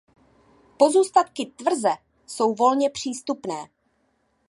Pozůstatky tvrze jsou volně přístupné.